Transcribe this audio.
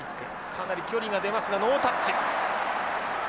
かなり距離が出ますがノータッチ。